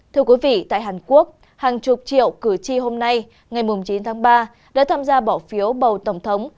thưa quý vị tại hàn quốc hàng chục triệu cử tri hôm nay ngày chín tháng ba đã tham gia bỏ phiếu bầu tổng thống